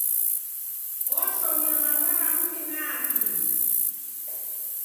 Oshomia maza ra m'wi na akili.